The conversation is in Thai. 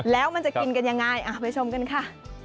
แล้วมันจะกินกันยังไงไปชมกันค่ะ